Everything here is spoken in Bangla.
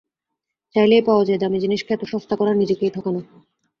চাইলেই পাওয়া যায়, দামী জিনিসকে এত সস্তা করা নিজেকেই ঠকানো।